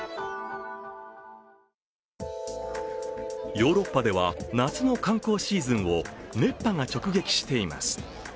ヨーロッパでは夏の観光シーズンを熱波が直撃しています。